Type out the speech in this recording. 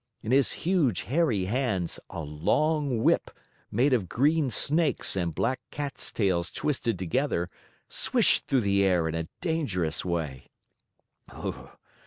In his huge, hairy hands, a long whip, made of green snakes and black cats' tails twisted together, swished through the air in a dangerous way.